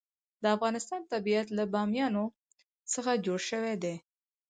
د افغانستان طبیعت له بامیان څخه جوړ شوی دی.